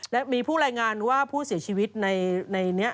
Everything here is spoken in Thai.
และมีผู้รายงานว่าผู้เสียชีวิตในนี้